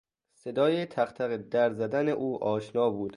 صدای تقتق در زدن او آشنا بود.